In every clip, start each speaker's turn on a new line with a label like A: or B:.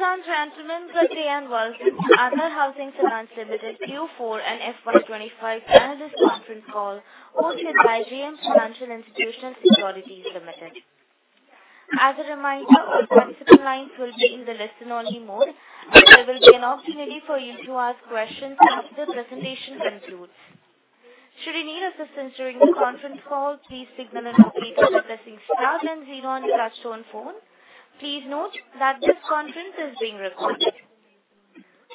A: Ladies and gentlemen, good day and welcome to Aadhar Housing Finance Limited Q4 and FY 2025 analyst conference call, hosted by JM Financial Institutions Authorities Limited. As a reminder, all participant lines will be in the listen-only mode, and there will be an opportunity for you to ask questions after the presentation concludes. Should you need assistance during the conference call, please signal and repeat after pressing star then zero on your touchstone phone. Please note that this conference is being recorded.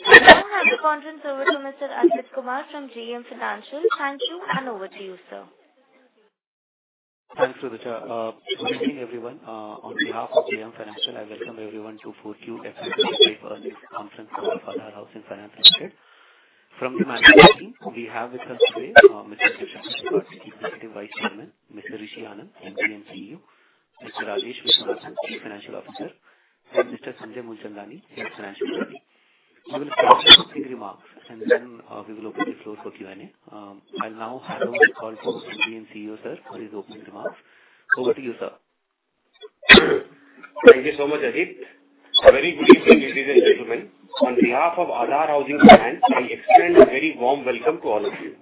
A: I now hand the conference over to Mr. Ajit Kumar from JM Financial. Thank you, and over to you, sir.
B: Thanks for the chance. Good evening, everyone. On behalf of JM Financial, I welcome everyone to 4Q FY 2025 earnings conference call of Aadhar Housing Finance Limited. From the management team, we have with us today Mr. Deo Shankar Tripathi, Executive Vice Chairman, Mr. Rishi Anand, MD and CEO, Mr. Rajesh Viswanathan, Chief Financial Officer, and Mr. Sanjay Moolchandani, Head Financial Officer. We will start with opening remarks, and then we will open the floor for Q&A. I'll now hand over the call to MD and CEO, sir, for his opening remarks. Over to you, sir.
C: Thank you so much, Ajit. Very good evening, ladies and gentlemen. On behalf of Aadhar Housing Finance, I extend a very warm welcome to all of you.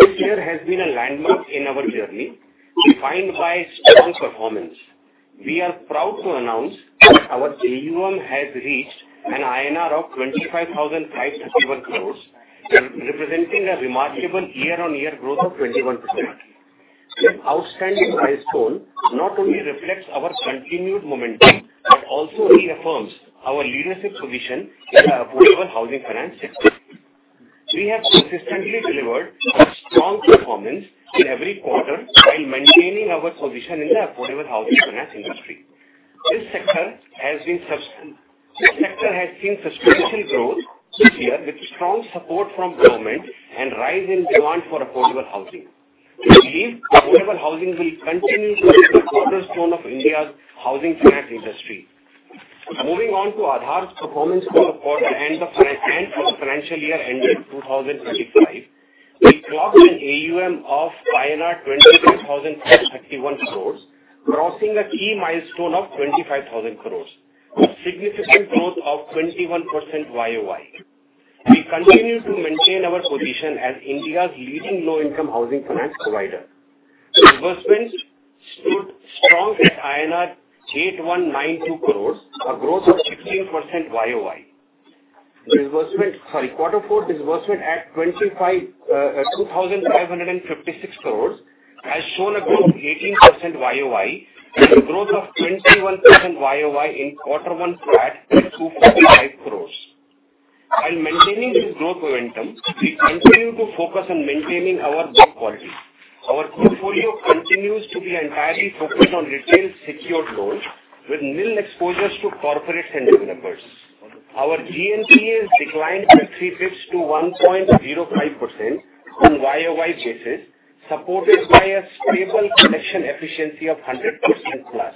C: This year has been a landmark in our journey, defined by strong performance. We are proud to announce that our AUM has reached 25,531 crores INR, representing a remarkable year-on-year growth of 21%. This outstanding milestone not only reflects our continued momentum but also reaffirms our leadership position in the affordable housing finance sector. We have consistently delivered strong performance in every quarter while maintaining our position in the affordable housing finance industry. This sector has seen substantial growth this year with strong support from government and rise in demand for affordable housing. We believe affordable housing will continue to be the cornerstone of India's housing finance industry. Moving on to Aadhar's performance for the quarter and for the financial year ending 2025, we clocked an AUM of INR 26,531 crores, crossing a key milestone of 25,000 crores, a significant growth of 21% YoY. We continue to maintain our position as India's leading low-income housing finance provider. Disbursements stood strong at INR 8,192 crores, a growth of 16% YoY. Quarter four disbursement at 2,556 crores has shown a growth of 18% YoY, a growth of 21% YoY in quarter one at 245 crores. While maintaining this growth momentum, we continue to focus on maintaining our book quality. Our portfolio continues to be entirely focused on retail secured loans with minimal exposures to corporates and developers. Our GNPA has declined by 3 basis points to 1.05% on YoY basis, supported by a stable collection efficiency of 100%+.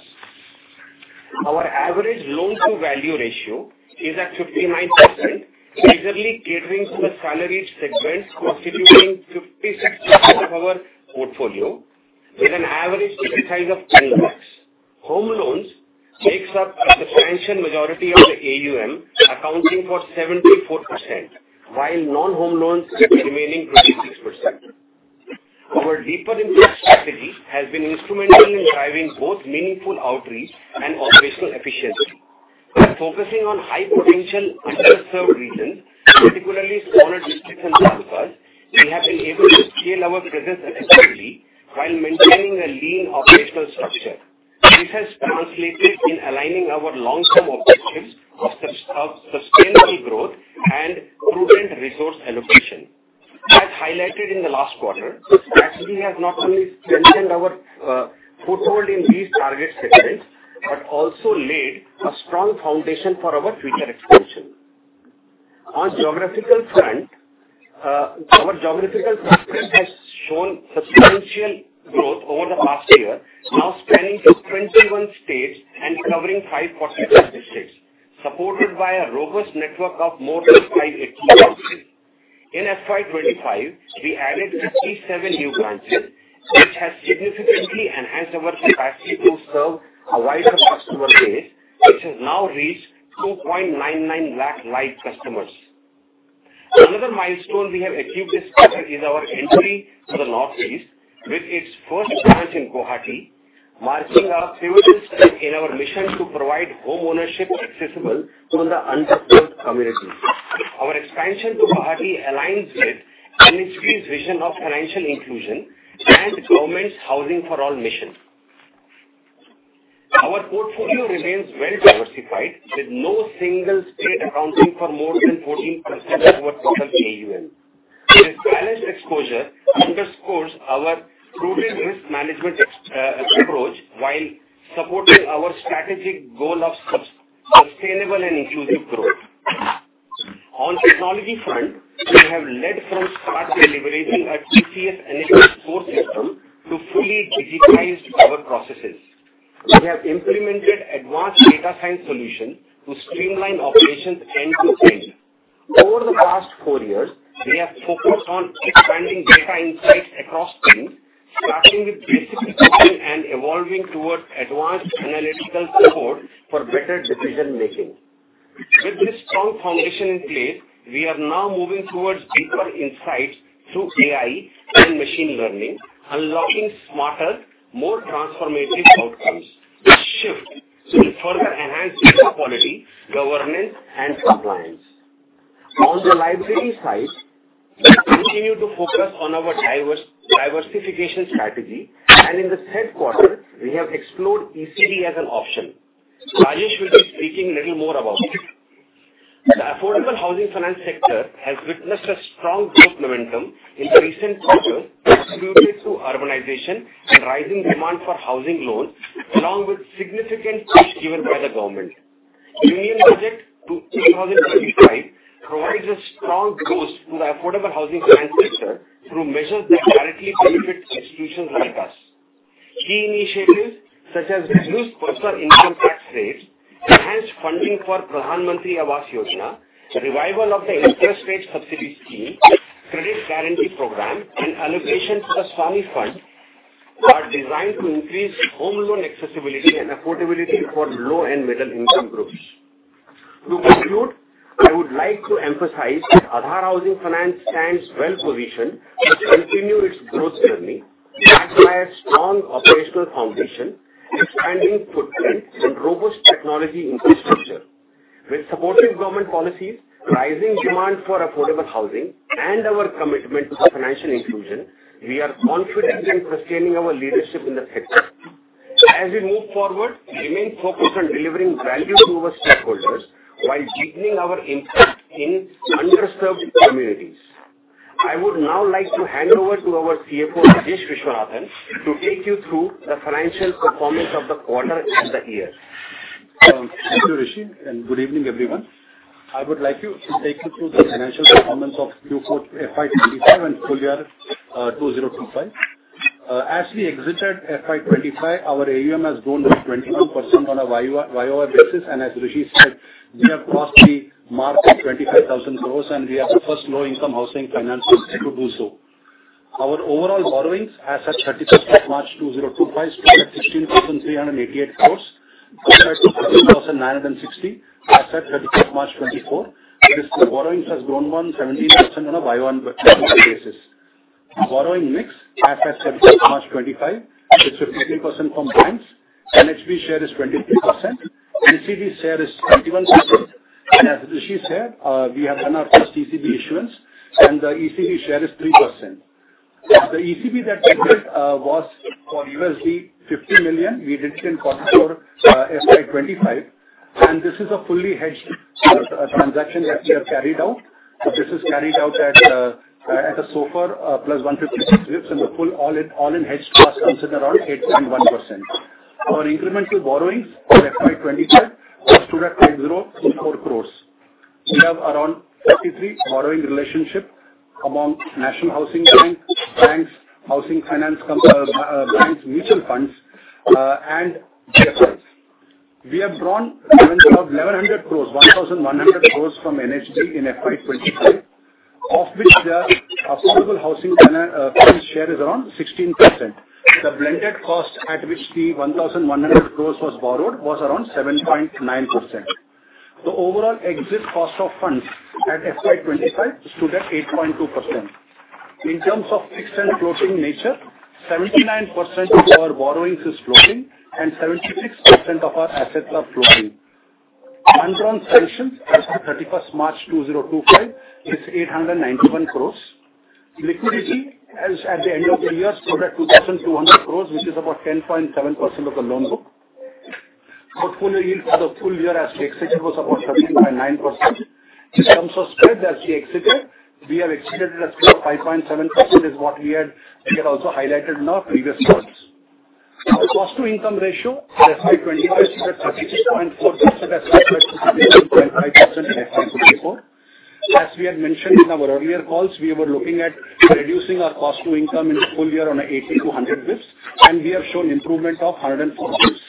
C: Our average loan-to-value ratio is at 59%, easily catering to the salaried segment, constituting 56% of our portfolio, with an average fixed price of INR 1,000,000. Home loans make up a substantial majority of the AUM, accounting for 74%, while non-home loans remain at 26%. Our deeper infrastructure strategy has been instrumental in driving both meaningful outreach and operational efficiency. By focusing on high-potential underserved regions, particularly smaller districts and talukas, we have been able to scale our presence effectively while maintaining a lean operational structure. This has translated in aligning our long-term objectives of sustainable growth and prudent resource allocation. As highlighted in the last quarter, State Bank of India has not only strengthened our foothold in these target segments but also laid a strong foundation for our future expansion. On the geographical front, our geographical conference has shown substantial growth over the past year, now spanning 21 states and covering 547 districts, supported by a robust network of more than 580 branches. In FY 2025, we added 57 new branches, which has significantly enhanced our capacity to serve a wider customer base, which has now reached 2.99 lakh live customers. Another milestone we have achieved this quarter is our entry to the Northeast, with its first branch in Guwahati, marking our pivotal step in our mission to provide homeownership accessible to the underserved communities. Our expansion to Guwahati aligns with Aadhar Housing Finance Limited's vision of financial inclusion and government's housing-for-all mission. Our portfolio remains well-diversified, with no single state accounting for more than 14% of our total AUM. This balanced exposure underscores our prudent risk management approach while supporting our strategic goal of sustainable and inclusive growth. On technology front, we have led from start by leveraging a TCS enabled core system to fully digitize our processes. We have implemented advanced data science solutions to streamline operations end-to-end. Over the past four years, we have focused on expanding data insights across teams, starting with basic decision and evolving towards advanced analytical support for better decision-making. With this strong foundation in place, we are now moving towards deeper insights through AI and machine learning, unlocking smarter, more transformative outcomes. This shift will further enhance data quality, governance, and compliance. On the liability side, we continue to focus on our diversification strategy, and in the third quarter, we have explored ECB as an option. Rajesh will be speaking a little more about it. The affordable housing finance sector has witnessed a strong growth momentum in the recent quarter, contributed to urbanization and rising demand for housing loans, along with significant push given by the government. Union Budget 2025 provides a strong boost to the affordable housing finance sector through measures that directly benefit institutions like us. Key initiatives such as reduced personal income tax rates, enhanced funding for Pradhan Mantri Awas Yojana, revival of the interest rate subsidy scheme, credit guarantee program, and allocation to the Swami Fund are designed to increase home loan accessibility and affordability for low and middle-income groups. To conclude, I would like to emphasize that Aadhar Housing Finance stands well-positioned to continue its growth journey, backed by a strong operational foundation, expanding footprint, and robust technology infrastructure. With supportive government policies, rising demand for affordable housing, and our commitment to financial inclusion, we are confident in sustaining our leadership in the sector. As we move forward, we remain focused on delivering value to our stakeholders while deepening our impact in underserved communities. I would now like to hand over to our CFO, Rajesh Viswanathan, to take you through the financial performance of the quarter and the year.
D: Thank you, Rishi. Good evening, everyone. I would like to take you through the financial performance of Q4 FY 2025 and full year 2025. As we exited FY 2025, our AUM has grown by 21% on a YoY basis, and as Rishi said, we have crossed the mark of 25,000 crores, and we are the first low-income housing finance to do so. Our overall borrowings as of 31st of March 2025 stood at INR 16,388 crores, compared to INR 13,960 as of 31st March 2024, with borrowings that have grown by 17% on a YoY basis. Borrowing mix as of 31st March 2025 is 53% from banks. NHB share is 23%. NCD share is 21%. As Rishi said, we have done our first ECB issuance, and the ECB share is 3%. The ECB that we did was for $50 million. We did it in quarter four FY 2025, and this is a fully hedged transaction that we have carried out. This is carried out at a SOFR plus 156 basis points, and the full all-in hedged cost comes in around 8.1%. Our incremental borrowings for FY 2025 stood at 5,024 crores. We have around 53 borrowing relationships among National Housing Bank, banks, housing finance banks, mutual funds, and DFIs. We have drawn a total of 1,100 crores, 1,100 crores from NHB in FY 2025, of which the affordable housing finance share is around 16%. The blended cost at which the 1,100 crores was borrowed was around 7.9%. The overall exit cost of funds at FY 2025 stood at 8.2%. In terms of fixed and floating nature, 79% of our borrowings is floating, and 76% of our assets are floating. Fund-ground submissions as of 31st March 2025 is 891 crores. Liquidity as at the end of the year stood at 2,200 crores, which is about 10.7% of the loan book. Portfolio yield for the full year as we exited was about 13.9%. In terms of spread as we exited, we have exited at a spread of 5.7%, which is what we had also highlighted in our previous calls. Our cost-to-income ratio at FY 2025 stood at 36.4% as compared to 33.5% in FY 2024. As we had mentioned in our earlier calls, we were looking at reducing our cost-to-income in the full year on 80 basis points-100 basis points, and we have shown improvement of 104 basis points.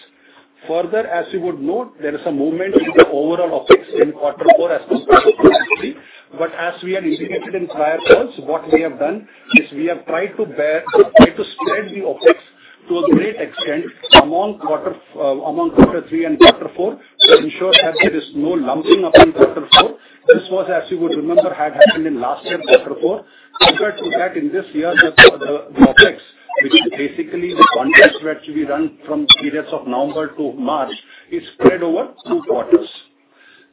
D: Further, as you would note, there is a movement in the overall OpEx in quarter four as compared to quarter three, but as we had indicated in prior calls, what we have done is we have tried to spread the OpEx to a great extent among quarter three and quarter four to ensure that there is no lumping up in quarter four. This was, as you would remember, had happened in last year quarter four. Compared to that, in this year, the OpEx, which is basically the contracts which we run from periods of November to March, is spread over two quarters.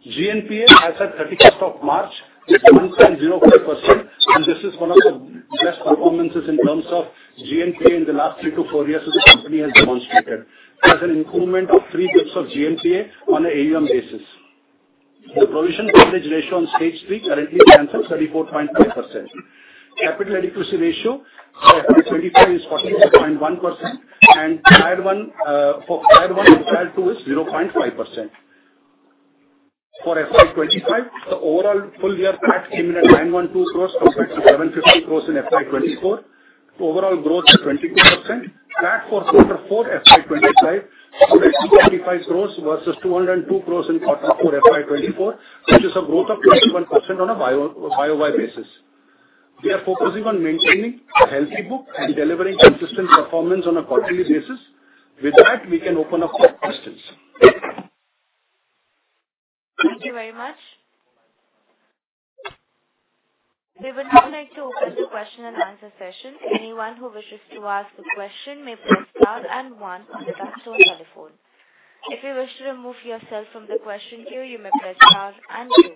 D: GNPA as of 31st of March is 1.04%, and this is one of the best performances in terms of GNPA in the last three to four years the company has demonstrated, as an improvement of three basis points of GNPA on an AUM basis. The provision coverage ratio on stage three currently stands at 34.5%. Capital adequacy ratio for FY 2025 is 44.1%, and for Tier 1 and Tier 2 20is 0.5%. For FY 25, the overall full year PAT came in at 912 crores compared to 750 crores in FY 2024. Overall growth is 22%. PAT for quarter four FY 2025 stood at 225 crores versus 202 crores in quarter four FY 2024, which is a growth of 21% on a YoY basis. We are focusing on maintaining a healthy book and delivering consistent performance on a quarterly basis. With that, we can open up for questions.
A: Thank you very much. We would now like to open the question and answer session. Anyone who wishes to ask a question may press star and one on the touchstone telephone. If you wish to remove yourself from the question queue, you may press star and two.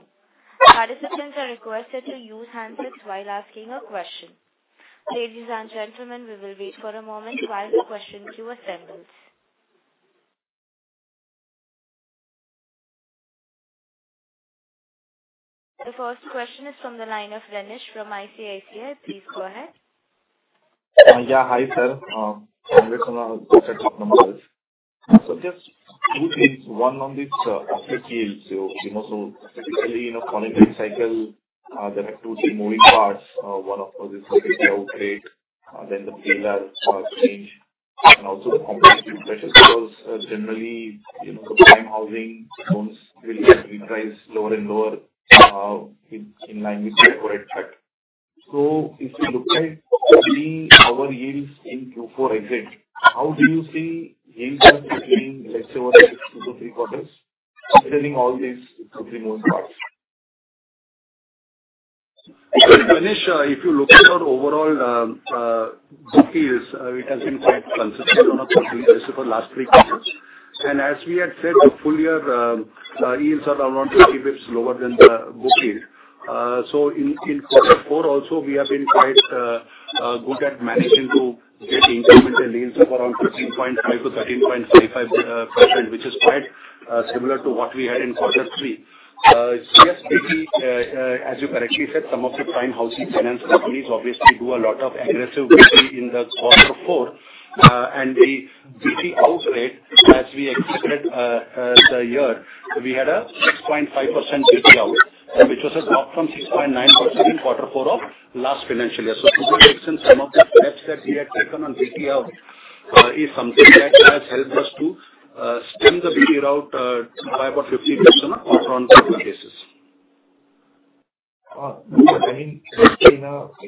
A: Participants are requested to use handsets while asking a question. Ladies and gentlemen, we will wait for a moment while the question queue assembles. The first question is from the line of Renish from ICICI. Please go ahead.
E: Yeah, hi sir. I'm with some of the technical numbers. So just two things. One on this upper yield, so technically in a quarter-based cycle, there have to be moving parts. One of those is the fixed out rate, then the payback change, and also the compound interest. Because generally, the prime housing loans will get repriced lower and lower in line with the correct fact. So if you look at our yields in Q4 exit, how do you see yields are continuing, let's say, over the next two to three quarters, considering all these two to three moving parts?
D: Renish, if you look at our overall book yields, it has been quite consistent on a quarterly basis for the last three quarters. As we had said, the full year yields are around 50 basis points lower than the book yield. In quarter four also, we have been quite good at managing to get incremental yields of around 15.5%-13.55%, which is quite similar to what we had in quarter three. Yes, as you correctly said, some of the prime housing finance companies obviously do a lot of aggressive booking in quarter four, and the BT out rate, as we exited the year, we had a 6.5% BT out, which was a drop from 6.9% in quarter four of last financial year. To fix in some of the steps that we had taken on BT Out is something that has helped us to stem the BT route by about 50 basis points on a quarter-on-quarter basis.
E: I mean, in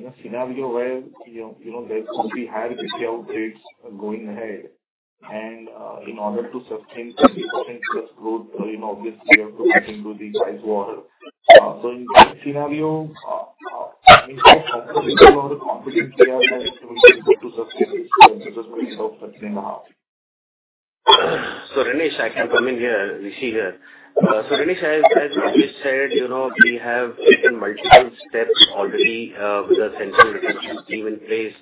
E: a scenario where there could be higher BT Out rates going ahead, and in order to sustain 20% growth, obviously, we have to cut into the price war. In that scenario, I mean, how complementary or how competent we are as to be able to sustain this growth in terms of sustained housing?
C: Renish, I can come in here, Rishi here. Renish, as Rajesh said, we have taken multiple steps already with the central retention scheme in place,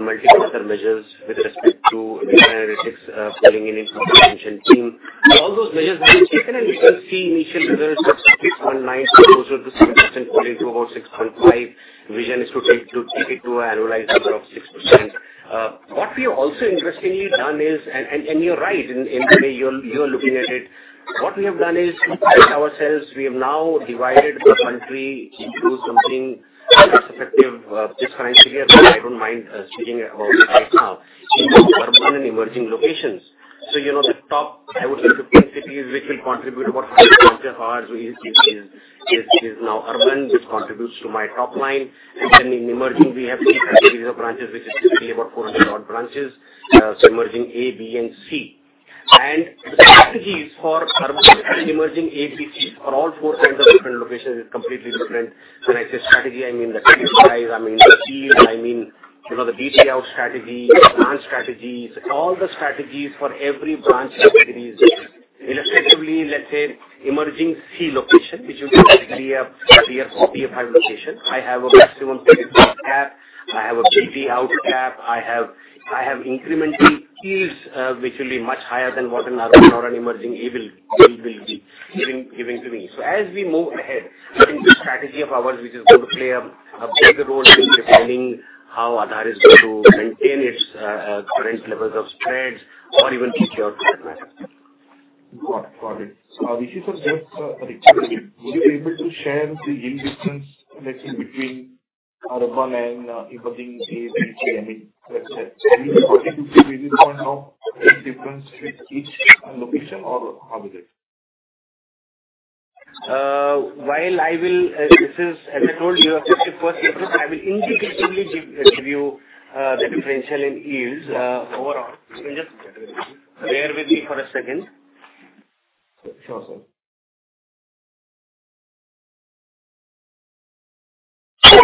C: multiple other measures with respect to data analytics pulling in into the retention scheme. All those measures have been taken, and we can see initial results of 6.9%, closer to 7%, pulling to about 6.5%. Vision is to take it to an annualized number of 6%. What we have also interestingly done is, and you are right in the way you are looking at it, what we have done is ourselves, we have now divided the country into something less effective this financial year, but I do not mind speaking about it right now, into urban and emerging locations. The top, I would say, 15 cities, which will contribute about 100 branches of ours, is now urban, which contributes to my top line. In emerging, we have three categories of branches, which is typically about 400 odd branches, so emerging A, B, and C. The strategies for emerging A, B, and C for all four kinds of different locations is completely different. When I say strategy, I mean the TPIs, I mean the yield, I mean the BT out strategy, the branch strategies. All the strategies for every branch category is illustratively, let's say, emerging C location, which will be typically a tier 4 or 5 location. I have a maximum TPI cap. I have a BT out cap. I have incremental yields, which will be much higher than what an urban or an emerging A will be giving to me. As we move ahead, I think the strategy of ours, which is going to play a bigger role in defining how Aadhar is going to maintain its current levels of spreads or even BTout for that matter.
E: Got it. Rishi sir, just a quick question. Would you be able to share the yield difference between urban and emerging A, B, C? I mean, let's say, 40 basis points-50 basis points on top, the difference with each location, or how is it?
C: While I will, as I told you, I will indicatively give you the differential in yields overall. You can just bear with me for a second.
D: Sure, sir.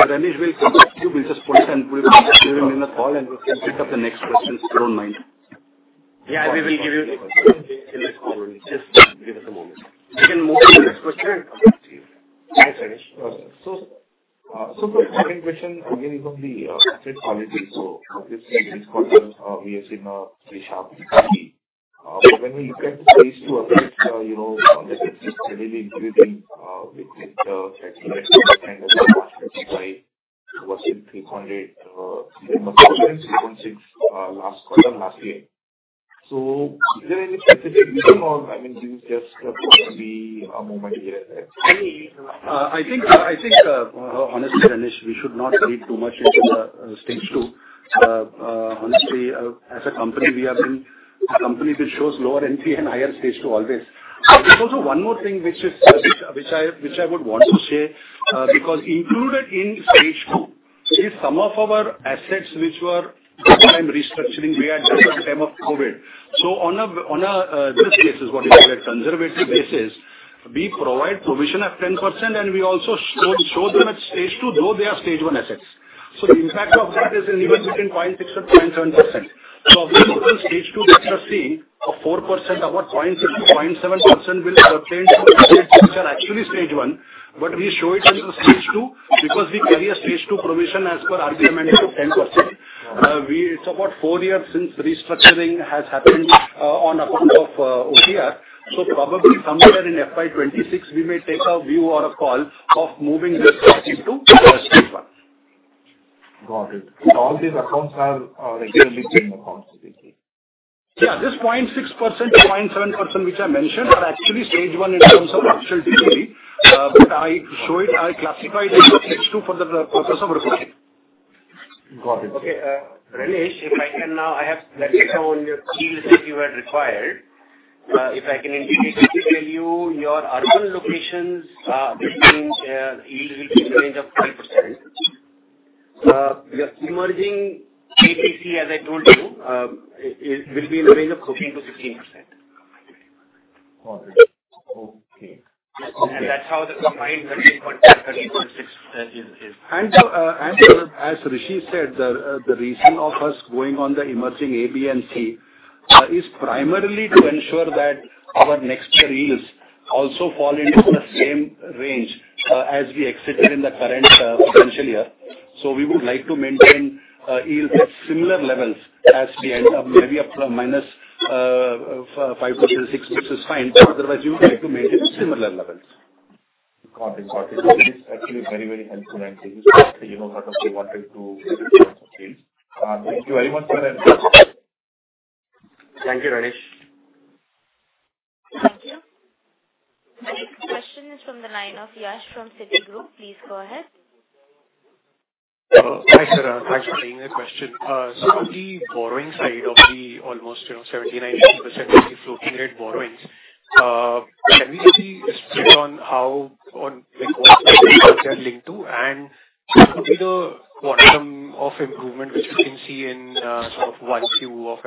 D: Renish will come up to you, we'll just pull it and we'll be giving him the call, and we'll pick up the next questions, if you don't mind.
E: Yeah, we will give you a question in this call only. Just give us a moment.
D: You can move to the next question, and I'll come back to you. Thanks, Renish.
E: The second question, again, is on the asset quality. Obviously, this quarter, we have seen a pretty sharp decrease. When we look at the phase two update, the assets are steadily increasing with the kind of market by worse than 300, even much more than 3.6 last quarter, last year. Is there any specific reason, or I mean, do you just want to be a moment here and there?
D: I think, honestly, Renish, we should not read too much into the stage two. Honestly, as a company, we have been a company which shows lower entry and higher stage two always. There is also one more thing which I would want to share, because included in stage two is some of our assets which were full-time restructuring we had done at the time of COVID. On a, this case is what you call it, conservative basis, we provide provision of 10%, and we also show them at stage two, though they are stage one assets. The impact of that is even between 0.6%-0.7%. Obviously, stage two pictures seeing a 4%, about 0.6%-0.7% will pertain to assets which are actually stage one, but we show it as a stage two because we carry a stage two provision as per argument of 10%. It is about four years since restructuring has happened on account of OTR. Probably somewhere in FY 2026, we may take a view or a call of moving this stage two to stage one.
E: Got it. All these accounts are regularly doing accounts with it, right?
D: Yeah, this 0.6%-0.7% which I mentioned are actually stage one in terms of actual DPD, but I show it, I classify it as stage two for the purpose of reporting.
E: Got it.
C: Okay. Renish, if I can now, I have let me show on your key list that you had required. If I can indicate it, I can tell you your urban locations between yields will be in the range of 5%. Your emerging A, B, C, as I told you, will be in the range of 14%-16%.
E: Got it. Okay.
C: That's how the combined 13.5%-13.6% is.
D: As Rishi said, the reason of us going on the emerging A, B, and C is primarily to ensure that our next year yields also fall into the same range as we exited in the current financial year. We would like to maintain yields at similar levels as we end up, maybe a -5%-6% is fine. Otherwise, we would like to maintain similar levels.
E: Got it. Got it. This is actually very, very helpful and useful to know, sort of the wanting to. Thank you very much for your insights.
C: Thank you, Renish.
A: Thank you. The next question is from the line of Yash from Citi Group. Please go ahead.
F: Hi sir. Thanks for taking the question. On the borrowing side of the almost 70%-90% of the floating rate borrowings, can we see a split on what the quarter is linked to, and what would be the quantum of improvement which you can see in sort of 1Q of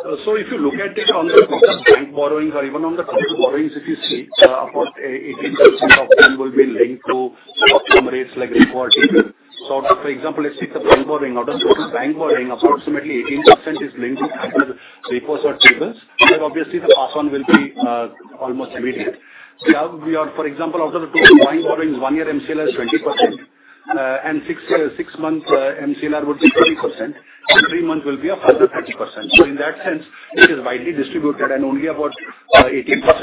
F: FY 2026?
D: If you look at it on the quarter bank borrowings or even on the total borrowings, if you see about 18% of them will be linked to short-term rates like repo rate. For example, let's take the bank borrowing. Out of the total bank borrowing, approximately 18% is linked to capital repos or T-bills, but obviously, the pass-on will be almost immediate. We are, for example, out of the total bank borrowings, one-year MCLR is 20%, and six-month MCLR would be 40%, and three-month will be a further 30%. In that sense, it is widely distributed, and only about 18%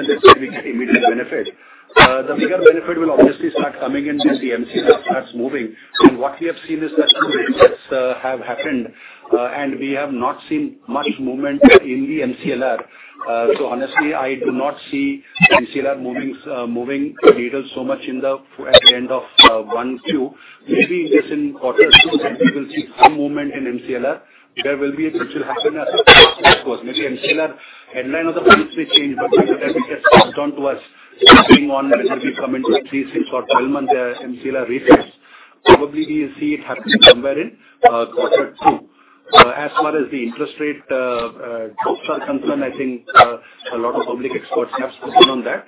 D: is where we get immediate benefit. The bigger benefit will obviously start coming in when the MCLR starts moving. What we have seen is that two bids have happened, and we have not seen much movement in the MCLR. Honestly, I do not see MCLR moving needles so much at the end of 1Q. Maybe just in quarter two, we will see some movement in MCLR. There will be a change in happiness, of course. Maybe MCLR headline of the funds may change, but before that, we get passed on to us moving on, whether we come into three, six, or 12-month MCLR refinance. Probably we will see it happen somewhere in quarter two. As far as the interest rate drops are concerned, I think a lot of public experts have spoken on that.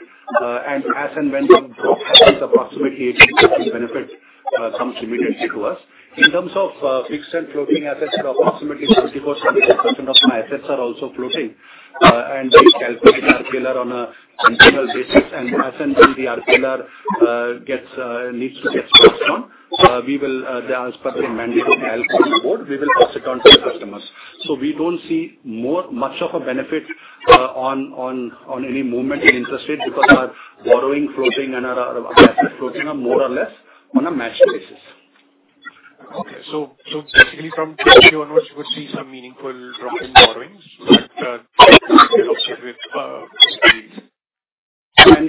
D: As and when the drop happens, approximately 18% benefit comes immediately to us. In terms of fixed and floating assets, approximately 74%-75% of my assets are also floating, and they calculate RPLR on a continuous basis. As and when the RPLR needs to get passed on, we will, as per the mandatory calculation board, pass it on to the customers. We do not see much of a benefit on any movement in interest rate because our borrowing floating and our asset floating are more or less on a matched basis.
F: Okay. So basically, from 2Q onwards, you could see some meaningful drop in borrowings with fixed yields.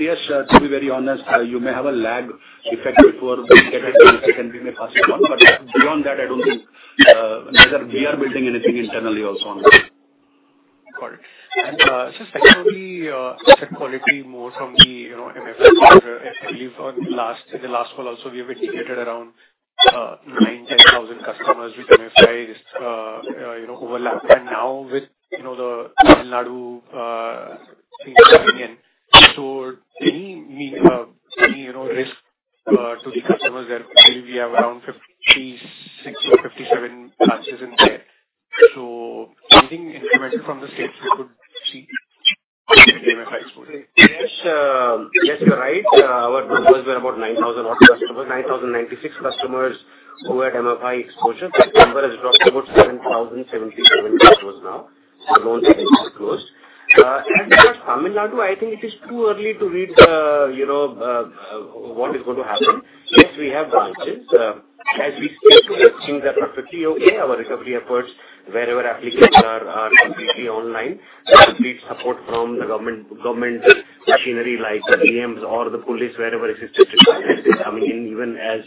D: Yes, to be very honest, you may have a lag effect before we get it, and we may pass it on. Beyond that, I do not think neither we are building anything internally also on that.
F: Got it. And just secondly, asset quality more from the MFI quarter. I believe in the last call also, we have indicated around 9,000-10,000 customers with MFI overlap. And now with the Tamil Nadu things coming in, so any risk to the customers there, we have around 56-57 branches in there. So anything incremental from the states, we could see MFI exposure.
C: Yes, you're right. Our numbers were about 9,000-odd customers, 9,096 customers who had MFI exposure. That number has dropped to about 7,077 customers now. So loan space is closed. For Tamil Nadu, I think it is too early to read what is going to happen. Yes, we have branches. As we speak to this, things are perfectly okay. Our recovery efforts, wherever applicants are, are completely online. Complete support from the government machinery like the DMs or the police, wherever exists, is coming in even as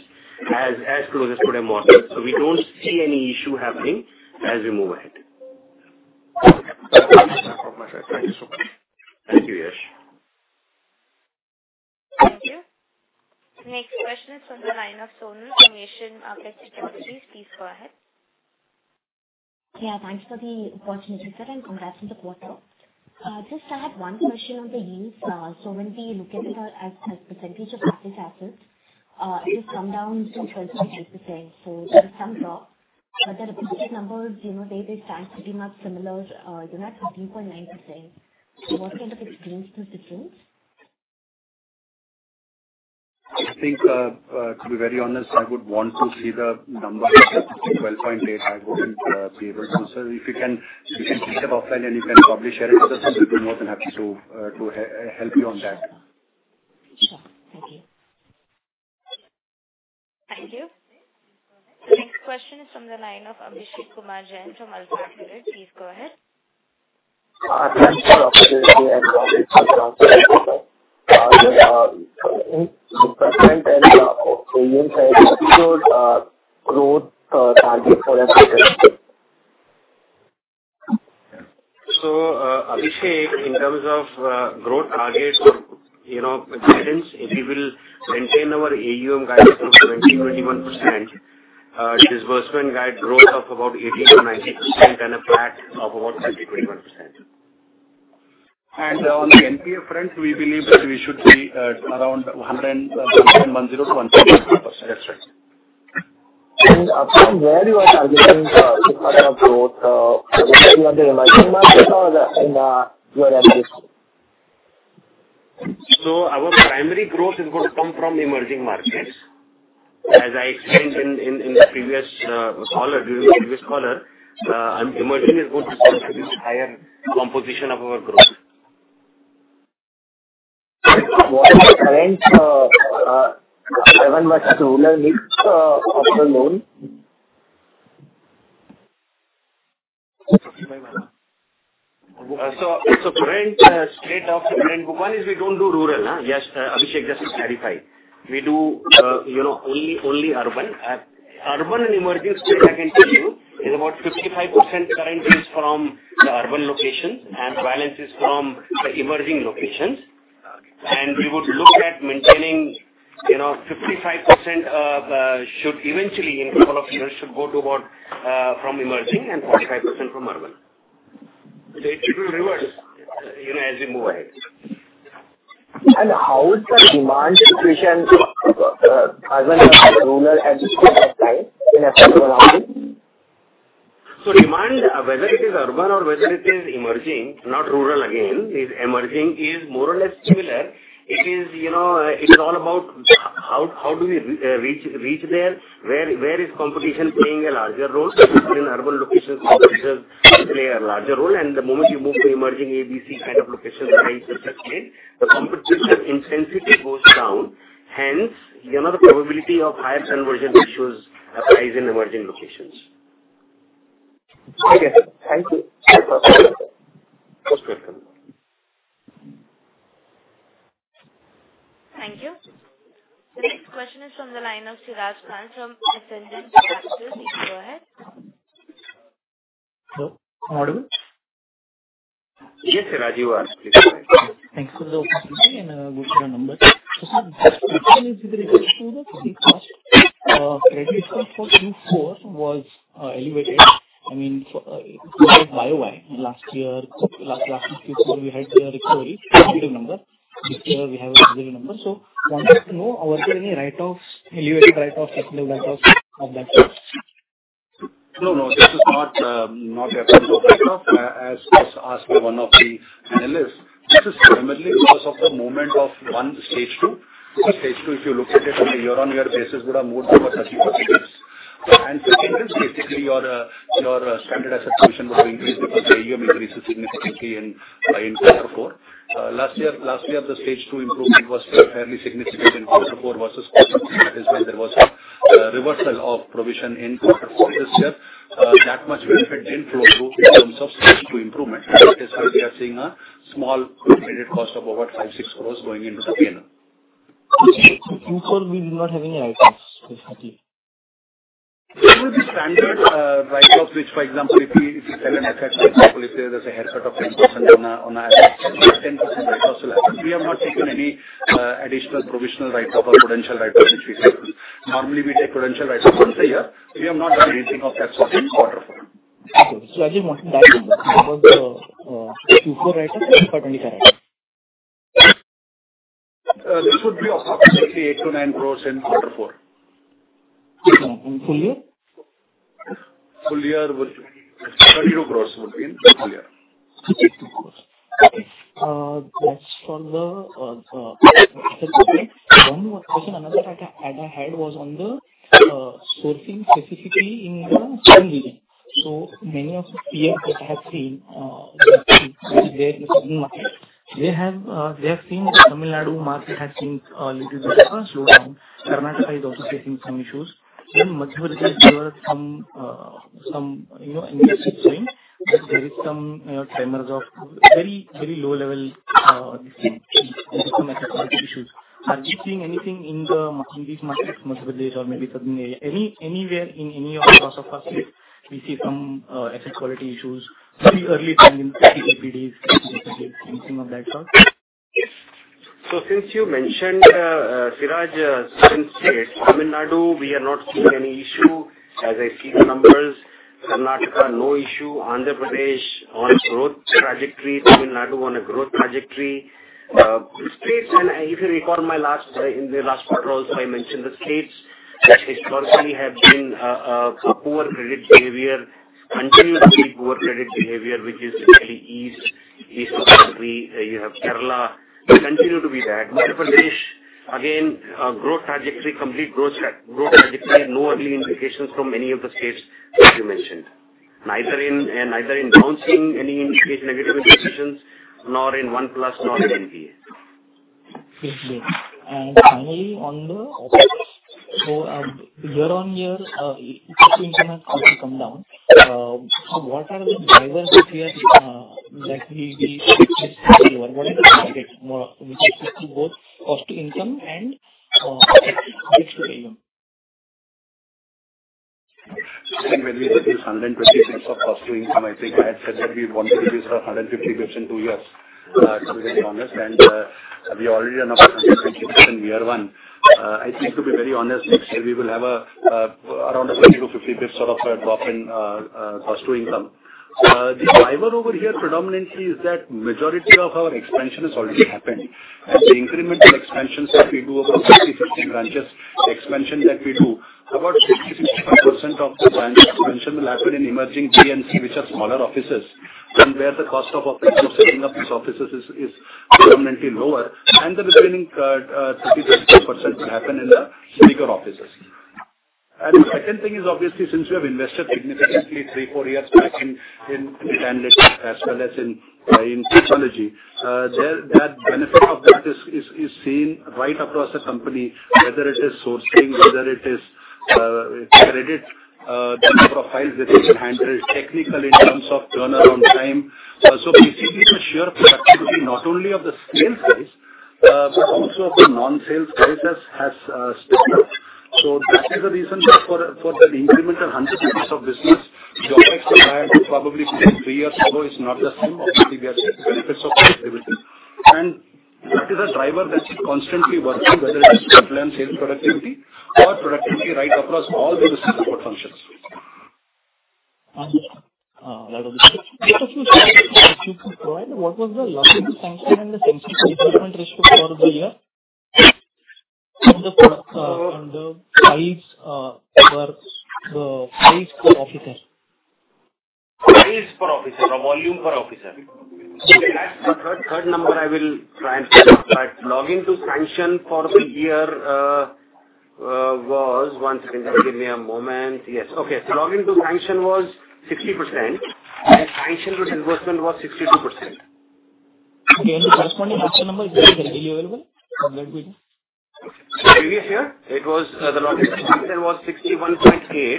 C: close as today morning. We do not see any issue happening as we move ahead.
F: That's all my side. Thank you so much.
C: Thank you, Yash.
A: Thank you. The next question is from the line of Sonal from Asian Market Securities. Please go ahead.
G: Yeah, thanks for the opportunity there, and congrats on the quarter. Just I had one question on the yields. So when we look at it as % of market assets, it has come down to 12.3%. So there is some drop, but the reported numbers, they stand pretty much similar, you know, at 13.9%. What kind of experience does this bring?
D: I think, to be very honest, I would want to see the number 12.8%. I wouldn't be able to. If you can pick it up offline and you can publish it, I would be more than happy to help you on that.
G: Sure. Thank you.
A: Thank you. The next question is from the line of Abhishek Kumar Jain from AlfAccurate. Please go ahead.
H: Thanks for the opportunity and congrats for the answer. The government and the yields have secured growth targets for.
C: Abhishek, in terms of growth targets, since we will maintain our AUM guide from 20%-21%, disbursement guide growth of about 18%-19%, and a PAT of about 20-21%. On the NPA front, we believe that we should be around 1.00% and 1.01%, 1.02%. That's right.
H: Where you are targeting the growth, whether you are the emerging market or you are at this point?
C: Our primary growth is going to come from emerging markets. As I explained in the previous call, during the previous call, emerging is going to contribute to higher composition of our growth.
H: What is the current rural mix of the loan?
C: Current straight of the current one is we do not do rural, yes, Abhishek, just to clarify. We do only urban. Urban and emerging straight, I can tell you, is about 55% current is from the urban locations, and balance is from the emerging locations. We would look at maintaining 55% should eventually, in a couple of years, should go to about from emerging and 45% from urban. It will reverse as we move ahead.
H: How is the demand situation as well as rural and state applied in effective analysis?
C: Demand, whether it is urban or whether it is emerging, not rural again, is emerging, is more or less similar. It is all about how do we reach there, where is competition playing a larger role. In urban locations, competition plays a larger role. The moment you move to emerging A, B, C kind of locations, the competition intensity goes down. Hence, the probability of higher conversion ratios applies in emerging locations.
H: Okay. Thank you.
C: Most welcome.
A: Thank you. The next question is from the line of Siraj Khan from Ascendant Capital. Please go ahead.
I: Hello. Audible?
C: Yes, sir. Siraj, please.
I: Thanks for the opportunity and good numbers. Sir, the reason is with regards to the pre-cost credit for Q4 was elevated. I mean, it was YoY last year. Last Q4, we had the recovery positive number. This year, we have a positive number. I wanted to know, were there any write-offs, elevated write-offs, negative write-offs of that?
D: No, no. This is not a negative write-off, as asked by one of the analysts. This is primarily because of the movement of one stage two. Stage two, if you look at it on a year-on-year basis, would have moved to about 30%. And second is basically your standard asset provision would have increased because the AUM increases significantly in quarter four. Last year, the stage two improvement was fairly significant in quarter four versus quarter four. That is why there was a reversal of provision in quarter four. This year, that much benefit did not flow through in terms of stage two improvement. That is why we are seeing a small credit cost of about 5 crores-6 crores going into the P&L.
I: Okay. Q4, we did not have any write-offs.
D: It will be standard write-offs, which, for example, if you sell an asset, for example, if there is a haircut of 10% on an asset, 10% write-offs will happen. We have not taken any additional provisional write-off or potential write-offs which we take. Normally, we take potential write-offs once a year. We have not done anything of that sort in quarter four.
I: Okay. So I just wanted that number. That was the Q4 write-off or FY 2025 write-off?
D: This would be approximately 8 crores- 9 crores in quarter four.
I: Full year?
D: Full year would be INR 32 crores would be in full year.
I: Okay. Next for the asset complaint, one question I had was on the sourcing specifically in the Southearn region. So many of the PMs that I have seen, they are in the Southearn market. They have seen the Tamil Nadu market has seen a little bit of a slowdown. Karnataka is also facing some issues. In Madhya Pradesh, there were some increases seen. There are some tremors of very, very low-level asset quality issues. Are you seeing anything in these markets, Madhya Pradesh or maybe South India? Anywhere in any of the south of Kashmir, we see some asset quality issues, very early signs in the 30 DPD- 60 DPDs, anything of that sort?
C: Since you mentioned, Siddhar, since Tamil Nadu, we are not seeing any issue. As I see the numbers, Karnataka, no issue. Andhra Pradesh on a growth trajectory. Tamil Nadu on a growth trajectory. States, and if you recall my last, in the last quarter also, I mentioned the states which historically have been poor credit behavior, continued to be poor credit behavior, which is in the East of the country. You have Kerala continued to be that. Madhya Pradesh, again, growth trajectory, complete growth trajectory, no early indications from any of the states that you mentioned. Neither in bouncing, any negative indications, nor in 1+, nor in NPA.
I: Thank you. Finally, on the assets, year-on-year, cost to income has come down. What are the drivers here that we expect this year? What are the drivers which affect both cost to income and affect risk to AUM?
D: I think when we put this 120 basis points of cost to income, I think I had said that we wanted to be around 150 basis points in two years, to be very honest. And we already are now at 120 basis points in year one. I think, to be very honest, next year we will have around a 20 basis points-50 basis points sort of drop in cost to income. The driver over here predominantly is that majority of our expansion has already happened. The incremental expansions that we do, about 50-60 branches expansion that we do, about 60%-65% of the branch expansion will happen in emerging PNC, which are smaller offices, where the cost of setting up these offices is predominantly lower. The remaining 30%-60% will happen in the bigger offices.
C: The second thing is, obviously, since we have invested significantly three, four years back in standard as well as in technology, that benefit of that is seen right across the company, whether it is sourcing, whether it is credit, the number of files that we can handle, technical in terms of turnaround time. Basically, the sheer productivity, not only of the sales case, but also of the non-sales case, has stepped up. That is the reason for the incremental 100 basis points of business. The OpEx demand probably from three years ago is not the same opacity we are seeing, benefits of productivity. That is a driver that is constantly working, whether it is frontline sales productivity or productivity right across all the business support functions.
I: Thank you. That was the question. If you could provide, what was the lobbying function and the sensitive development risk for the year? And the files per officer?
C: Files per officer, or volume per officer. Okay. Third number I will try and clarify. Login to sanction for the year was one second. Just give me a moment. Yes. Okay. So login to sanction was 60%, and sanction to disbursement was 62%.
I: Okay. The corresponding action number is currently available?
C: Previous year, it was the login to sanction was 61.8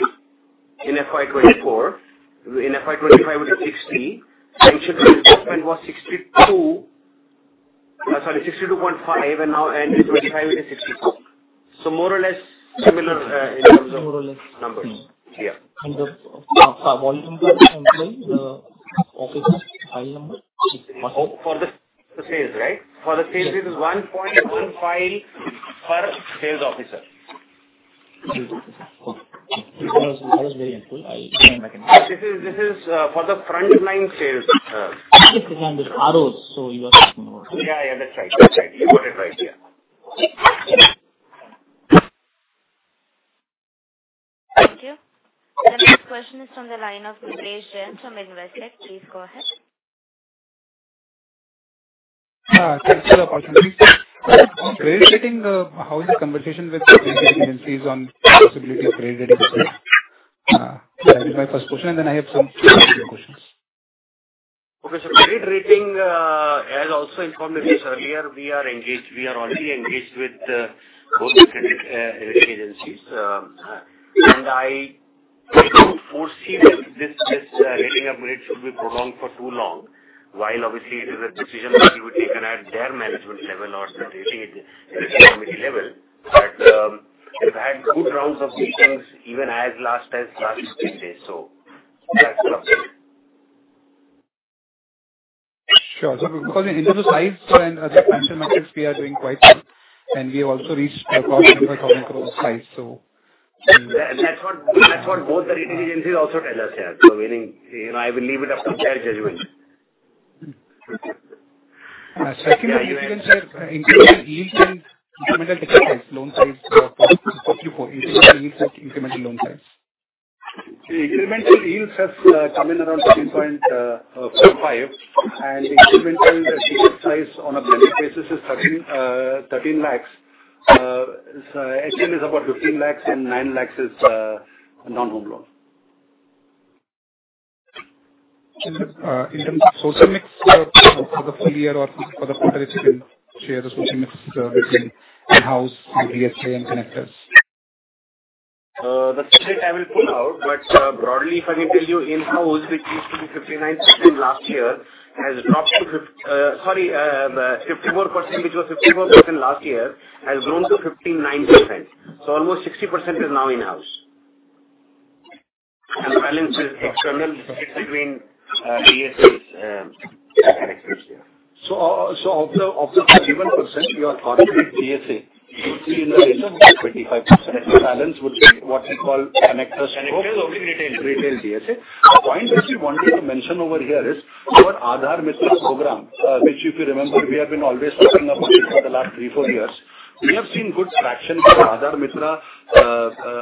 C: in FY 2024. In FY 2025, it was 60. Sanction to disbursement was 62, sorry, 62.5, and now end of 2025, it is 62. So more or less similar in terms of numbers. More or less. Yeah.
I: The volume per employee, the officer file number?
C: For the sales, right? For the sales, it is 1.15 per sales officer.
I: That was very helpful. I think I'm back in.
C: This is for the frontline sales.
I: Yes, I understand. It's ROs, so you are talking about.
C: Yeah, that's right. You got it right, yeah.
A: Thank you. The next question is from the line of Nidhesh Jain from Investec. Please go ahead.
J: Thank you for the opportunity. Credit rating, how is the conversation with credit agencies on the possibility of credit rating? That is my first question, and then I have some follow-up questions.
C: Okay. Credit rating has also informed me just earlier. We are already engaged with both the credit agencies. I foresee that this rating upgrade should not be prolonged for too long, while obviously it is a decision that will be taken at their management level or the rating committee level. We have had good rounds of meetings, even as late as last weekend, so that is something.
J: Sure. Because in terms of size and the financial metrics, we are doing quite good. We have also reached the quarter number of INR 100 crore of size.
C: That's what both the rating agencies also tell us, yeah. I will leave it up to their judgment.
J: Second, if you can share incremental loan size for Q4, incremental loan size?
C: Incremental yields have come in around 13.45%. Incremental size on a blanket basis is 13 lakhs. HL is about 15 lakhs, and 9 lakhs is non-home loan.
J: In terms of sourcing mix for the full year or for the quarter, if you can share the sourcing mix between in-house, DSA, and connectors?
C: The split I will put out, but broadly, if I may tell you, in-house, which used to be 54% last year, has grown to 59%. So almost 60% is now in-house. The balance is external between DSAs and connectors, yeah.
D: Of the 41% you are talking with DSA, you would see in the retail 25%. The balance would be what we call connectors total? Connectors over retail DSA. The point which we wanted to mention over here is our Aadhar Mitra program, which if you remember, we have been always talking about it for the last three, four years. We have seen good traction for Aadhar Mitra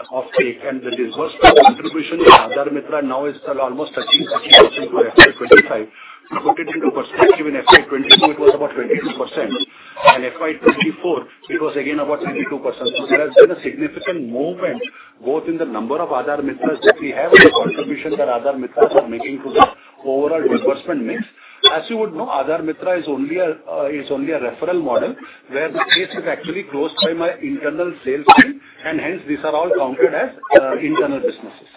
D: offtake, and the disbursement contribution in Aadhar Mitra now is almost 13%-14% for FY 2025. To put it into perspective, in FY 2022, it was about 22%. And FY 2024, it was again about 22%. There has been a significant movement both in the number of Aadhar Mitras that we have and the contribution that Aadhar Mitras are making to the overall disbursement mix. As you would know, Aadhar Mitra is only a referral model where the states have actually closed by my internal sales team, and hence these are all counted as internal businesses.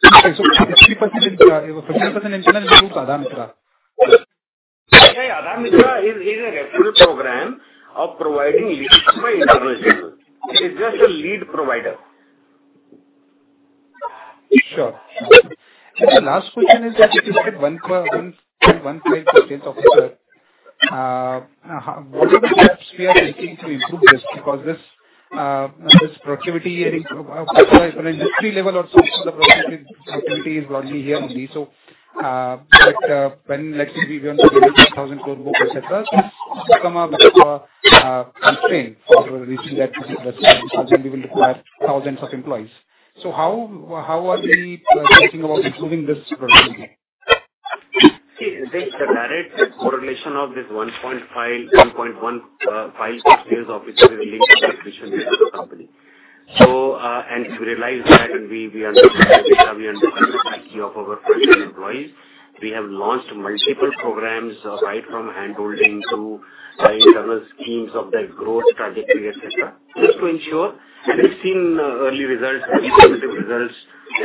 J: So 59% internal is group Aadhar Mitra?
C: Yeah. Aadhar Mitra is a referral program of providing leads by internal general. It's just a lead provider.
J: Sure. The last question is, if you could get one point for sales officer, what are the steps we are taking to improve this? Because this productivity here is on an industry level or sourcing productivity is broadly here only. When let's say we want to build 10,000 crore books, etc., this will come up with a constraint for reaching that particular size, and we will require thousands of employees. How are we thinking about improving this productivity?
C: See, this is a direct correlation of this 1.1 file per sales officer linked to the acquisition with the company. We realize that we understand the data, we understand the IQ of our current employees. We have launched multiple programs right from handholding to internal schemes of the growth trajectory, etc., just to ensure. We have seen early results, very positive results,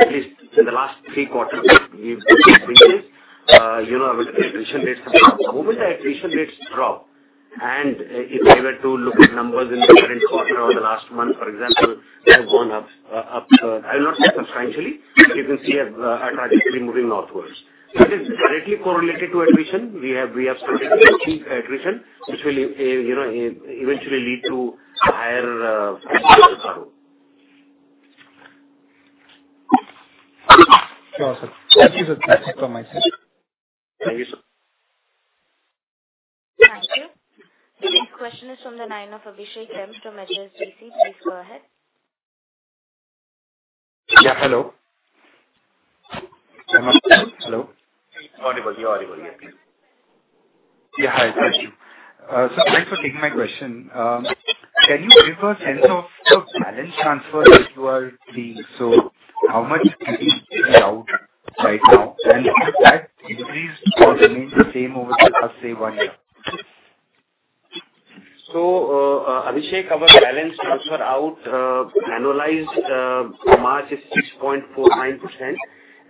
C: at least in the last three quarters. We have seen increases. The attrition rates have dropped. The moment the attrition rates drop, and if you were to look at numbers in the current quarter or the last month, for example, they have gone up. I will not say substantially, but you can see a trajectory moving northwards. It is directly correlated to attrition. We have started to achieve attrition, which will eventually lead to a higher salary.
J: Sure. Thank you for that information.
C: Thank you, sir.
A: Thank you. The next question is from the line of Abhishek M to HSBC Please go ahead.
K: Yeah. Hello. I'm on the phone. Hello.
C: Audible. You're audible. Yes, please.
K: Yeah. Hi. Thank you. Thanks for taking my question. Can you give a sense of the balance transfer that you are seeing? How much is being put out right now? Has that increased or remained the same over the last, say, one year?
C: Abhishek, our balance transfer out annualized March is 6.49%,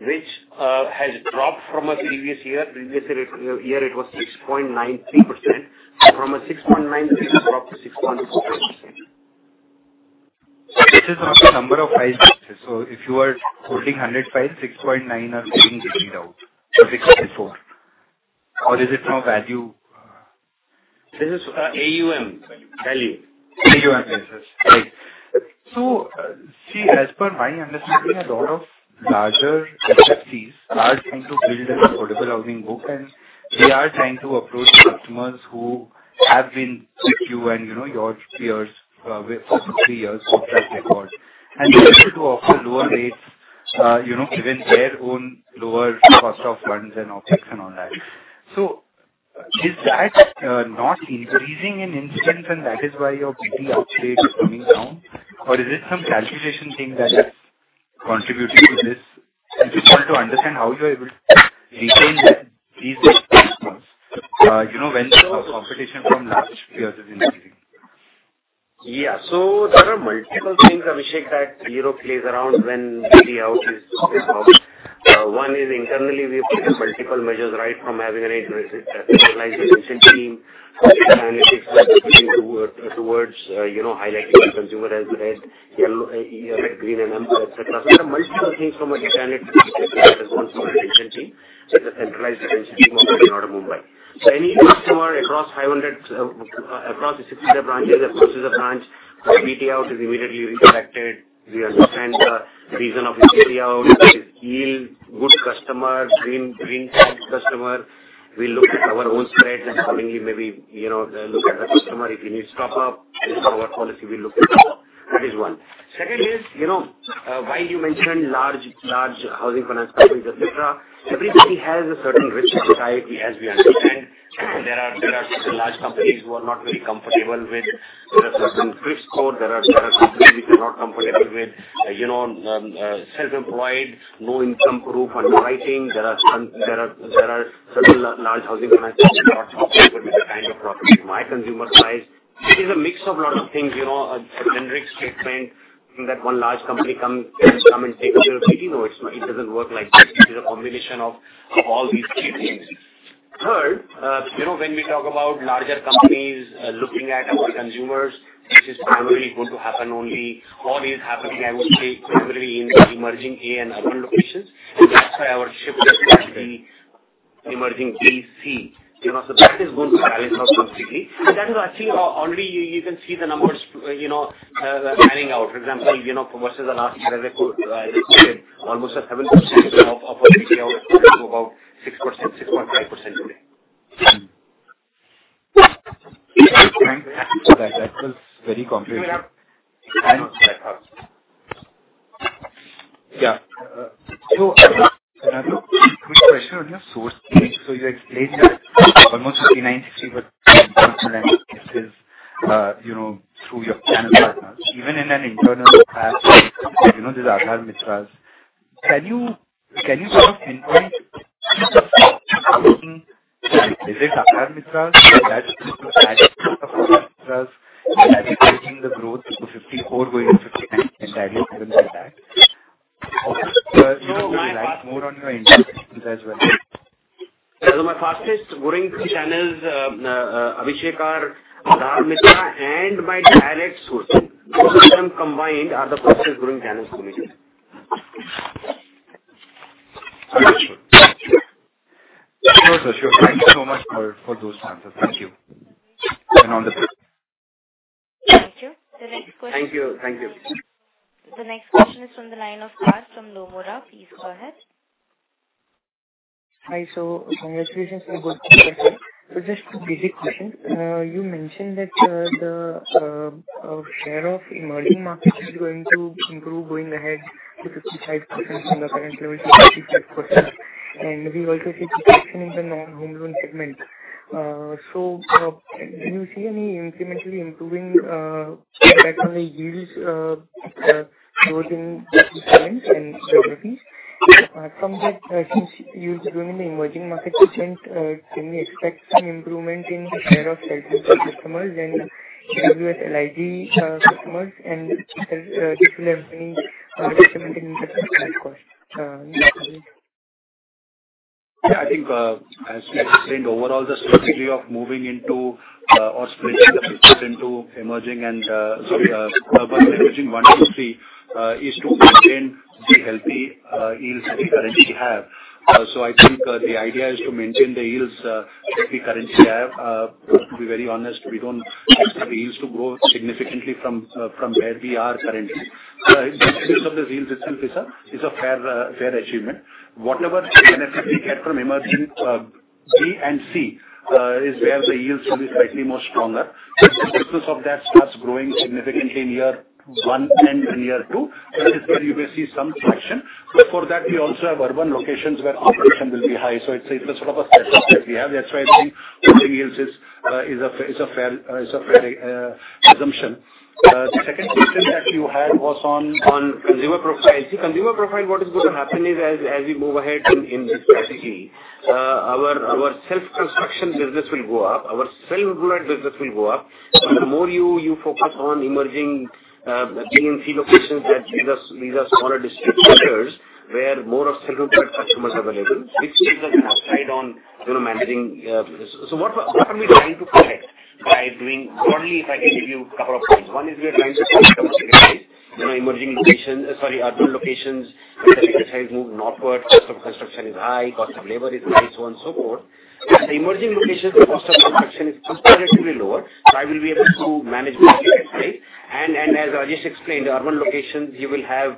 C: which has dropped from a previous year. Previous year, it was 6.93%. From a 6.93%, it dropped to 6.49%.
K: This is on the number of files basis. If you are holding 100 files, 6.9 are being delayed out. 6.4. Or is it from value?
C: This is AUM value.
K: AUM basis. Right. See, as per my understanding, a lot of larger agencies are trying to build an affordable housing book, and they are trying to approach customers who have been with you and your peers for three years, over the course of the record. They want to offer lower rates, given their own lower cost of funds and OpEx and all that. Is that not increasing in instance, and that is why your BT out rate is coming down? Or is it some calculation thing that is contributing to this? It's important to understand how you are able to retain these customers when the competition from large peers is increasing.
C: Yeah. There are multiple things, Abhishek, that you play around when BT out is out. One is internally, we have taken multiple measures right from having an internalized retention team, some analytics working towards highlighting the consumer as red, yellow, green, and amber, etc. There are multiple things from an internal retention team with the centralized retention team of Northern Mumbai. Any customer across 500, across the 60 branches, across the branch, our BT out is immediately reflected. We understand the reason of his BT out. If he is a good customer, green customer, we look at our own spreads and accordingly maybe look at the customer. If he needs top-up, based on our policy, we look at that. That is one. Second is, while you mentioned large housing finance companies, etc., everybody has a certain risk society, as we understand. There are certain large companies who are not very comfortable with certain CRIF scores. There are companies which are not comfortable with self-employed, no income proof underwriting. There are certain large housing finance companies that are comfortable with this kind of property. My consumer size, it is a mix of a lot of things, a generic statement that one large company can come and take care of. We know it does not work like that. It is a combination of all these three things. Third, when we talk about larger companies looking at our consumers, this is primarily going to happen only or is happening, I would say, primarily in the emerging A and urban locations. That is why our shift is towards the emerging B,C. That is going to balance out completely. That is actually already you can see the numbers panning out. For example, versus the last year, they quoted almost 7% of our BT out to about 6%-6.5% today.
K: Thank you for that. That was very comprehensive. Thank you very much. Yeah. So another quick question on your sourcing. So you explained that almost 59%-60% of the business is through your channel partners. Even in internal Aadhar Mitras, can you sort of pinpoint, is it Aadhar Mitras that is taking the growth to 54%, going to 59%, and directly given to that? Or would you like more on your internal questions as well?
C: My fastest growing channels, Abhishekar, Aadhar Mitra, and my direct sourcing, those two of them combined are the fastest growing channels for me.
K: Sure. Sure, sir. Sure. Thank you so much for those answers. Thank you. All the best.
A: Thank you. The next question.
C: Thank you. Thank you.
A: The next question is from the line of Parth from Nomura. Please go ahead.
L: Hi. Congratulations for the good question. Just two basic questions. You mentioned that the share of emerging markets is going to improve going ahead to 55% from the current level to 56%. We also see a decrease in the non-home loan segment. Do you see any incrementally improving effect on the yields both in these regions and geographies? From that, since you're growing in the emerging market segment, can we expect some improvement in the share of self-employed customers and LIG customers and other particularly employee disadvantaged in terms of cost?
C: Yeah. I think, as you explained, overall, the strategy of moving into or splitting the people into emerging and urban emerging one to three is to maintain the healthy yields that we currently have. I think the idea is to maintain the yields that we currently have. To be very honest, we do not expect the yields to grow significantly from where we are currently. In terms of the yields itself, it is a fair achievement. Whatever benefit we get from emerging B and C is where the yields will be slightly more strong. The business of that starts growing significantly in year one and in year two. That is where you will see some correction. For that, we also have urban locations where correction will be high. It is a sort of a setup that we have. That is why I think holding yields is a fair assumption. The second question that you had was on consumer profiles. The consumer profile, what is going to happen is, as we move ahead in this strategy, our self-construction business will go up. Our self-employed business will go up. The more you focus on emerging B and C locations, these are smaller district centers where more of self-employed customers are available, which gives us an upside on managing. What are we trying to protect by doing broadly? If I can give you a couple of points. One is we are trying to protect our emerging locations, sorry, urban locations with a bigger size move northward. Cost of construction is high. Cost of labor is high, so on and so forth. At the emerging locations, the cost of construction is comparatively lower. I will be able to manage my business rate. As Rajesh explained, urban locations, you will have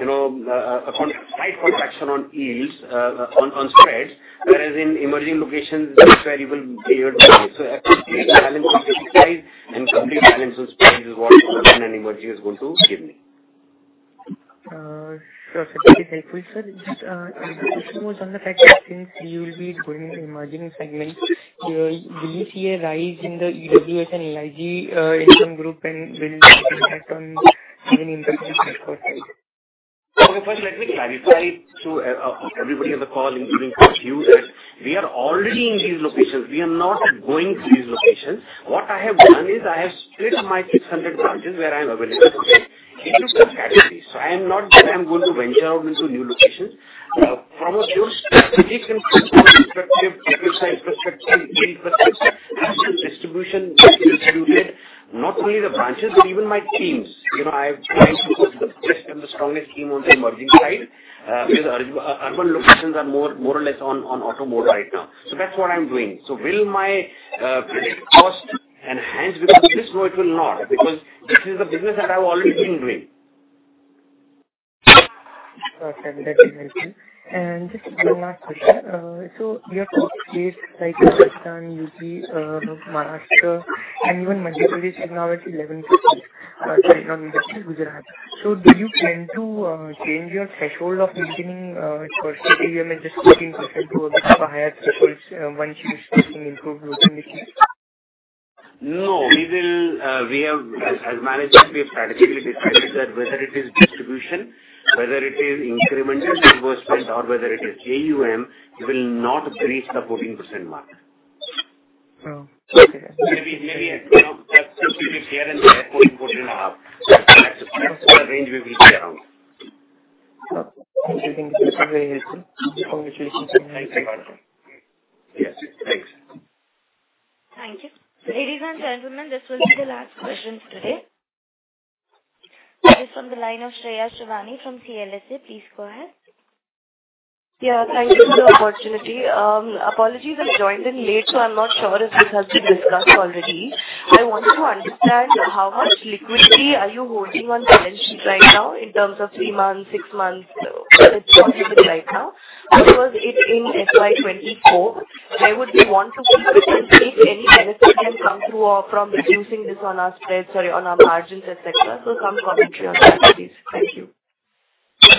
C: a slight contraction on yields, on spreads, whereas in emerging locations, that is where you will be able to manage. A complete balance of business size and complete balance of spreads is what urban and emerging is going to give me.
L: Sure. That is helpful, sir. Just a quick question was on the fact that since you will be going into emerging segments, will you see a rise in the EWS and LIG income group, and will it have an impact on even impacting the self-employed side?
C: Okay. First, let me clarify to everybody on the call, including you, that we are already in these locations. We are not going to these locations. What I have done is I have split my 600 branches where I am available to it into two categories. I am not going to venture out into new locations. From a pure strategic and from a business size perspective, yield perspective, I have to distribute not only the branches, but even my teams. I'm trying to put the best and the strongest team on the emerging side, whereas urban locations are more or less on auto mode right now. That's what I'm doing. Will my cost enhance? Because at this point, it will not, because this is the business that I've already been doing.
L: Sure. That is helpful. Just one last question. Your top states like Rajasthan, UP, Maharashtra, and even Gujarat is now at 11%, sorry, not Madhya Pradesh, Gujarat. Do you plan to change your threshold of maintaining first AUM at just 14% to EBITDA higher threshold once you are seeing improved growth in the key?
D: No. We have, as managers, we have strategically decided that whether it is distribution, whether it is incremental reimbursement, or whether it is AUM, it will not breach the 14% mark. Maybe that's between here and there, 14-14.5%. That's the range we will be around.
L: Okay. Thank you. This is very helpful. Congratulations.
C: Thank you. Yes. Thanks.
A: Thank you. Ladies and gentlemen, this will be the last question today. This is from the line of Shreya Shivani from CLSA. Please go ahead.
M: Yeah. Thank you for the opportunity. Apologies, I've joined in late, so I'm not sure if this has been discussed already. I want to understand how much liquidity are you holding on balance sheet right now in terms of three months, six months? Is it possible right now? Because it's in FY 2024, there would be 1%-2% if any benefit can come through from reducing this on our spreads, sorry, on our margins, etc. Some commentary on that, please. Thank you.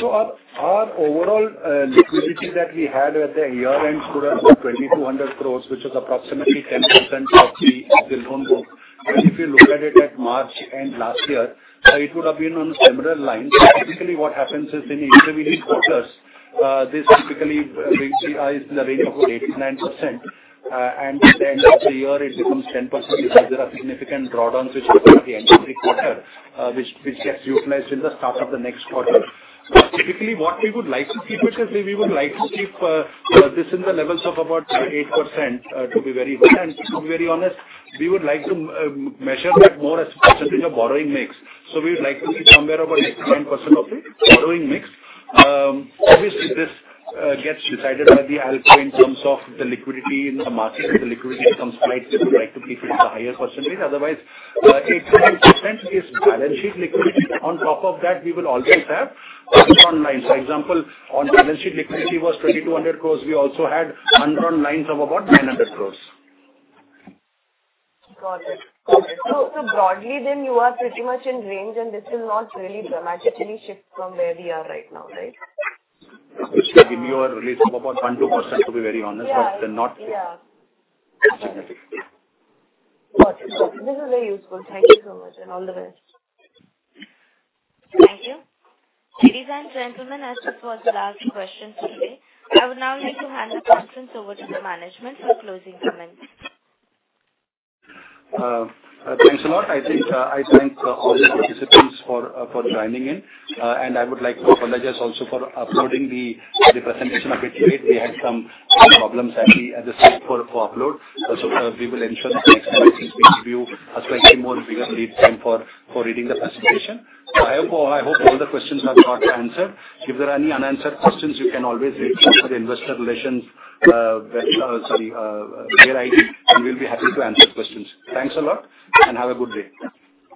D: Our overall liquidity that we had at the year-end could have been 2,200 crores, which is approximately 10% of the loan book. If you look at it at March and last year, it would have been on a similar line. Typically what happens is in intervening quarters, this typically is in the range of 8%-9%. At the end of the year, it becomes 10% because there are significant drawdowns, which occur at the end of the quarter, which get utilized in the start of the next quarter. Typically what we would like to keep, which is we would like to keep this in the levels of about 8% to be very good. To be very honest, we would like to measure that more as a percentage of borrowing mix. We would like to keep somewhere about 8%-10% of the borrowing mix. Obviously, this gets decided by the ALCO in terms of the liquidity in the market. If the liquidity becomes tight, we would like to keep it at a higher percentage. Otherwise, 8%-10% is balance sheet liquidity. On top of that, we will always have underlying lines. For example, on balance sheet liquidity was 2,200 crores. We also had underlying lines of about 900 crores.
M: Got it. Got it. So broadly then, you are pretty much in range, and this will not really dramatically shift from where we are right now, right?
C: It will give you a rate of about 1%-2%, to be very honest, but not significantly.
M: Got it. This is very useful. Thank you so much. All the best.
A: Thank you. Ladies and gentlemen, as this was the last question today, I would now like to hand the conference over to the management for closing comments.
C: Thanks a lot. I thank all the participants for joining in. I would like to apologize also for uploading the presentation a bit late. We had some problems at the site for upload. We will ensure that the next slides will give you a slightly more bigger lead time for reading the presentation. I hope all the questions have got answers. If there are any unanswered questions, you can always reach out to the investor relations, sorry, email ID, and we will be happy to answer questions. Thanks a lot, and have a good day.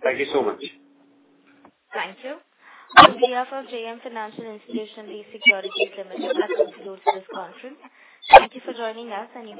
D: Thank you so much.
A: Thank you. I'm Priya from JM Financial Institutional Securities Limited. I've concluded this conference. Thank you for joining us, and you.